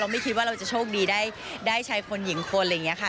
ไม่คิดว่าเราจะโชคดีได้ชายคนหญิงคนอะไรอย่างนี้ค่ะ